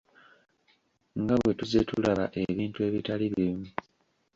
Nga bwe tuzze tulaba ebintu ebitali bimu.